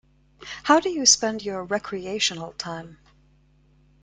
How do you spend your recreational time?